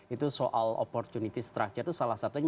itu soal opportunity structure itu salah satunya